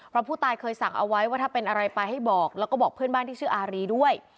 เพราะผู้ตายเคยสั่งเอาไว้ว่าถ้าเป็นอะไรไปให้บอกแล้วก็บอกเพื่อนบ้านที่ชื่ออารีด้วย